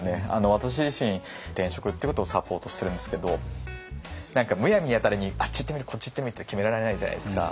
私自身転職っていうことをサポートしてるんですけど何かむやみやたらにあっち行ってみるこっち行ってみるって決められないじゃないですか。